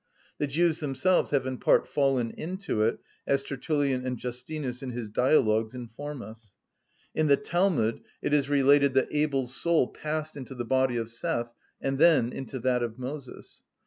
The Jews themselves have in part fallen into it, as Tertullian and Justinus (in his dialogues) inform us. In the Talmud it is related that Abel's soul passed into the body of Seth, and then into that of Moses.